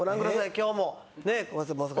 今日もね。